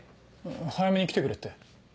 早めに来てくれって。